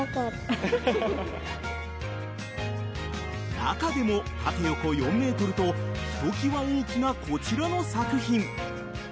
中でも縦横４ｍとひときわ大きなこちらの作品。